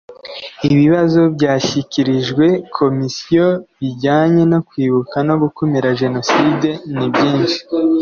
Ibibazo byashyikirijwe Komisiyo bijyanye no kwibuka no gukumira Jenoside nibyinshi